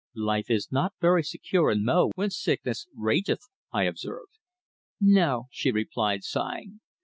"Life is not very secure in Mo when sickness rageth," I observed. "No," she replied, sighing.